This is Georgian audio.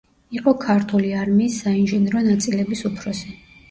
იყო ქართული არმიის საინჟინრო ნაწილების უფროსი.